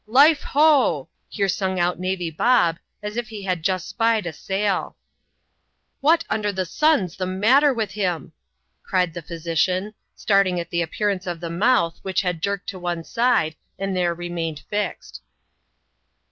" life bo!" bere stmg out Navy Bob, as if be had just spied a safl. " Wbat under tbe sun's tbe matter witb bim !" cried the phy sician, starting at tbe appearance of tbe mouth, which had jerked to one side, and there reinained fixed.